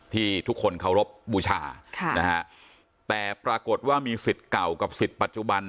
ที่ทุกคนเคารพบูชาค่ะนะฮะแต่ปรากฏว่ามีสิทธิ์เก่ากับสิทธิ์ปัจจุบัน